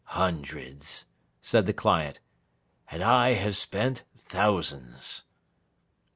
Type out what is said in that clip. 'Hundreds,' said the client. 'And I have spent thousands!